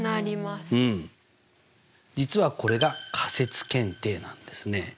実はこれが仮説検定なんですね。